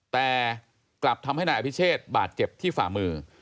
แต่กลับทำให้นายอภิเชษบาดเจ็บที่ฝ่ามือ